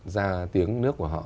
ra tiếng nước của họ